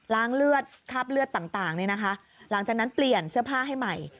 เลือดคราบเลือดต่างเนี่ยนะคะหลังจากนั้นเปลี่ยนเสื้อผ้าให้ใหม่